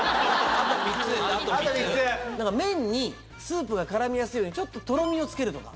麺にスープが絡みやすいようにちょっととろみを付けるとか。